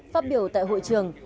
pháp biểu tại hội trường